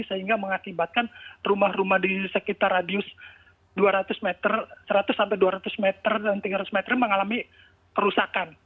sehingga mengakibatkan rumah rumah di sekitar radius dua ratus meter seratus sampai dua ratus meter dan tiga ratus meter mengalami kerusakan